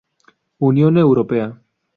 Unión Europea